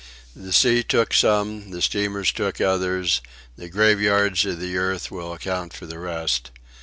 The sea took some, the steamers took others, the graveyards of the earth will account for the rest.